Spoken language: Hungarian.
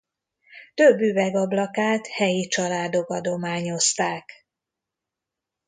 Több üvegablakát helyi családok adományozták.